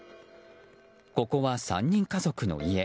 ここは３人家族の家。